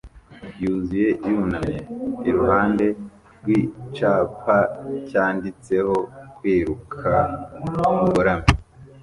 yuzuye yunamye iruhande rwicyapa cyanditseho "Kwiruka bugoramye"